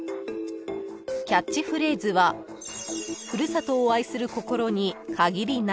［キャッチフレーズは「故郷を愛する心に限りなし」］